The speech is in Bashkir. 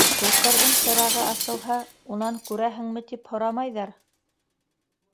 «Һуҡырҙың сырағы асылһа, унан, күрәһеңме, тип һорамайҙар!»